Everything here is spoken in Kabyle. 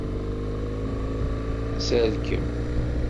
Serkem.